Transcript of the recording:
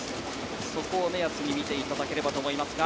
そこを目安に見ていただければと思います。